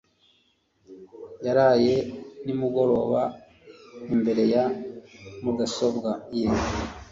Yaraye nimugoroba imbere ya mudasobwa ye.